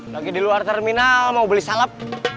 lagi di luar terminal mau beli salap